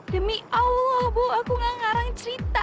demi allah bu aku nggak karang cerita